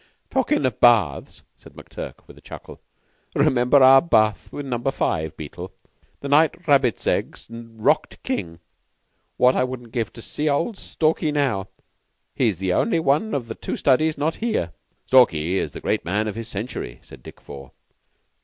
"Talkin' of baths," said McTurk, with a chuckle, "'member our bath in Number Five, Beetle, the night Rabbits Eggs rocked King? What wouldn't I give to see old Stalky now! He is the only one of the two Studies not here." "Stalky is the great man of his Century," said Dick Four.